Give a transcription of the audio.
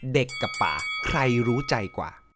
กับป่าใครรู้ใจกว่า